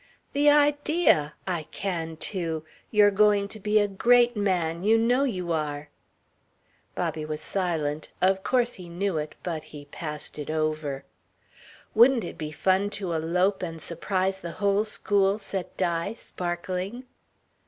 "The idea! I can too. You're going to be a great man you know you are." Bobby was silent. Of course he knew it but he passed it over. "Wouldn't it be fun to elope and surprise the whole school?" said Di, sparkling.